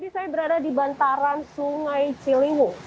saya berada di bantaran sungai ciliwung